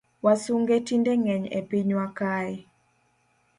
Wasunge tinde ngeny e pinywa kae